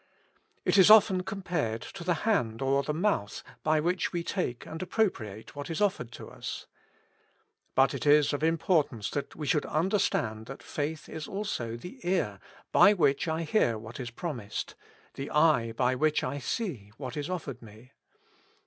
It is often compared to the hand or the mouth, by which we take and appropriate what is offered to us. But it is of importance that we should understand that faith is also the ear by which I hear what is promised, the eye by which I see what is offered me.